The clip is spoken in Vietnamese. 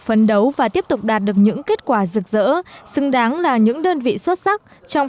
phấn đấu và tiếp tục đạt được những kết quả rực rỡ xứng đáng là những đơn vị xuất sắc trong